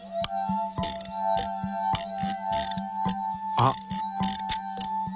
あっ！